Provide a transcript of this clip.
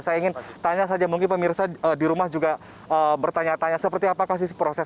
saya ingin tanya saja mungkin pemirsa di rumah juga bertanya tanya seperti apa kasus